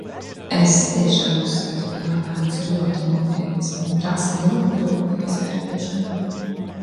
Es tiešām uzskatu, ka jautājums ir ļoti nopietns un prasa ļoti rūpīgu izvērtēšanu.